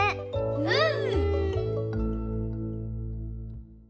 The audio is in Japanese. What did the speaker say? うん。